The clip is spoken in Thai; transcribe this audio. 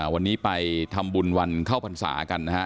วันนี้ไปทำบุญวันเข้าพรรษากันนะฮะ